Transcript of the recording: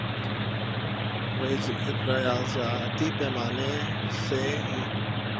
ریاضیاتی پیمانے سے ہی